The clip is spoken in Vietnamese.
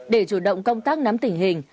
để chủ động công tác nắm tình hình